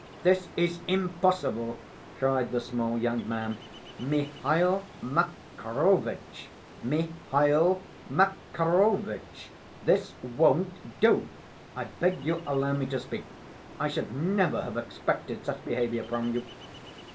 "This is impossible!" cried the small young man. "Mihail Makarovitch, Mihail Makarovitch, this won't do!... I beg you'll allow me to speak. I should never have expected such behavior from you...."